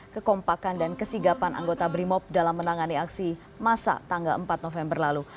kekompakan dan kesigapan anggota brimob dalam menangani aksi masa tanggal empat november lalu